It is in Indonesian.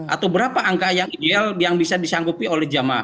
atau berapa angka yang ideal yang bisa disanggupi oleh jamaah